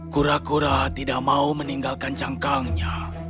kura kura tidak mau meninggalkan cangkangnya